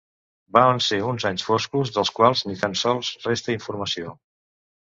Van ser uns anys foscos, dels quals ni tan sols resta informació.